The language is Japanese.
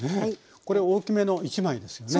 これ大きめの１枚ですよね？